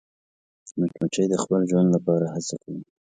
مچمچۍ د خپل ژوند لپاره هڅه کوي